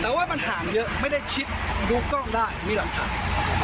แต่ว่ามันห่างเยอะไม่ได้คิดดูกล้องได้มีหลักฐาน